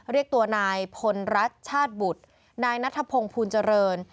เรียกตัวนายพลรัฐชาติบุตรนายนัทพงศ์ภูลเจริญ